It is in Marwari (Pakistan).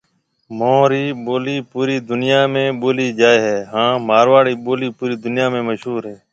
مهوري ٻولَي پوري دنَيا ۾ ٻولَي جائي هيَ هانَ مارواڙي ٻولَي پوري دنَيا ۾ مشهور هيَ۔